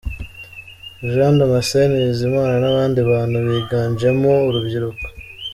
Jean Damascène Bizimana n’abandi bantu biganjemo urubyiruko.